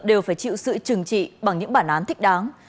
đều phải chịu sự trừng trị bằng những bản án thích đáng